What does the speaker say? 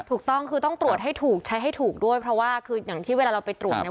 ถูกต้องคือต้องตรวจให้ถูกใช้ให้ถูกด้วยเพราะว่าคืออย่างที่เวลาเราไปตรวจเนี่ย